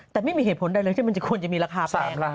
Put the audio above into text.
แต่ไม่มีเหตุผลใดเลยที่มันจะควรจะมีราคาแพง